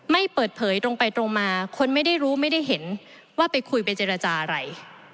ไม่เปิดเผยตรงไปตรงมาคนไม่ได้รู้ไม่ได้เห็นว่าไปคุยไปเจรจาอะไร